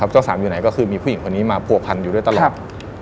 เจ้าสามอยู่ไหนก็คือมีผู้หญิงคนนี้มาผัวพันอยู่ด้วยตลอด